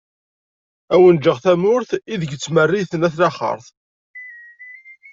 Ad awen-ğğeγ tamurt, ideg ad tmerriten at laxert.